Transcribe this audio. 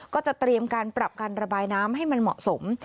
ก็จะเตรียมการปรับการระบายน้ำให้มันเหมาะสม